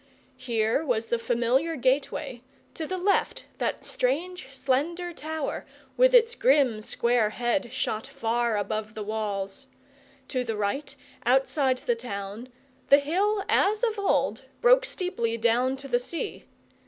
Here was the familiar gateway, to the left that strange, slender tower with its grim, square head shot far above the walls; to the right, outside the town, the hill as of old broke steeply down to the sea.